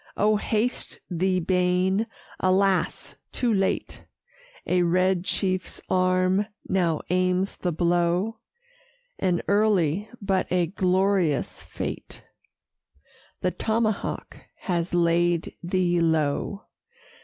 O haste thee, Baen! alas! too late; A red chief's arm now aims the blow (An early, but a glorious fate); The tomahawk has laid thee low.